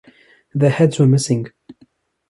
Their heads were missing.